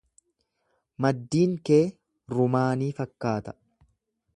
Maddiin kee rumaanii fakkaata.